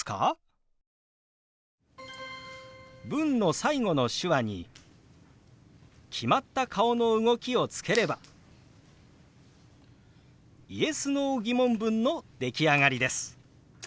文の最後の手話に決まった顔の動きをつければＹｅｓ／Ｎｏー疑問文の出来上がりです。